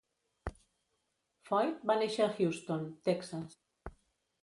Foyt va néixer a Houston, Texas.